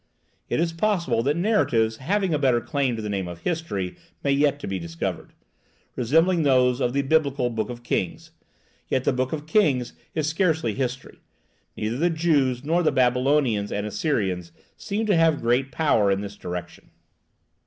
It is possible that narratives having a better claim to the name of history may yet be discovered, resembling those of the Biblical Book of Kings; yet the Book of Kings is scarcely history neither the Jews nor the Babylonians and Assyrians seem to have had great power in this direction.